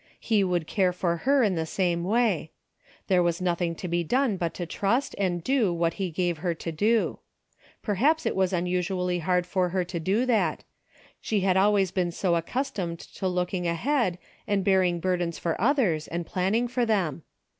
He would care for her in the same way. There was nothing to be done but to trust and do what he gave her to do. Perhaps it was un usually hard for her to do that. She had al A DAILY rate:' 25 Avays been so accustomed to looking ahead and bearing burdens for others and planning for them.